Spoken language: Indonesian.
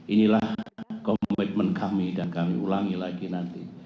inilah komitmen kami dan kami ulangi lagi nanti